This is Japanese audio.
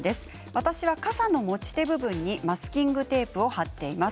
私は傘の持ち手部分にマスキングテープを貼っています。